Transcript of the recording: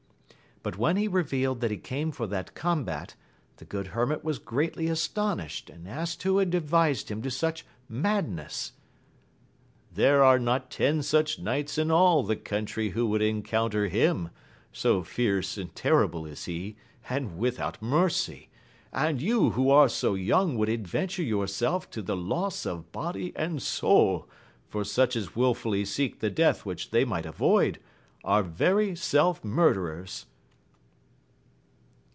But when he revealed that he came for that combat, the good hermit was greatly astonished, ^iXidi ^j^<^ ^V^ \iS6^ 74 AMADIS OF GAUL. advised him to such madness :— There are not any ten such knights in all the country who would encounter him, so fierce and terrible is he, and without mercy ; and you who are so young would adventure yourself to the loss of body and soul, for such as wilfully seek the death which they might avoid, are very self mur derers.